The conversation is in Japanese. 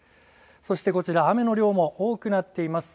そして、こちら、雨の量も多くなっています。